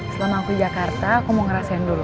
selama aku jakarta aku mau ngerasain dulu